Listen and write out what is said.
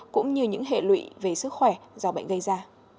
cũng như những hệ lụy về sức khỏe do bệnh gây ra